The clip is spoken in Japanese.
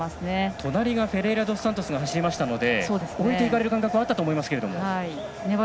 隣がフェレイラドスサントスが走りましたので置いていかれる感覚があったと思いますけれども。